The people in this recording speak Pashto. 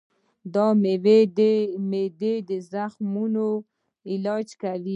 دا مېوه د معدې د زخمونو علاج کوي.